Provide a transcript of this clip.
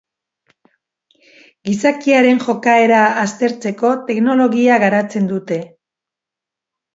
Gizakiaren jokaera aztertzeko teknologia garatzen dute.